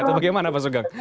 atau bagaimana pak sugeng